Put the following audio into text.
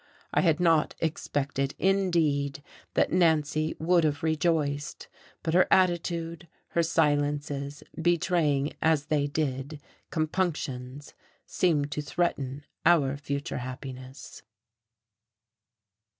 I had not expected, indeed, that Nancy would have rejoiced, but her attitude, her silences, betraying, as they did, compunctions, seemed to threaten our future happiness.